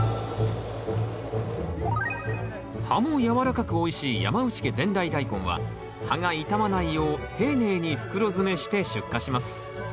葉も軟らかくおいしい山内家伝来大根は葉が傷まないよう丁寧に袋詰めして出荷します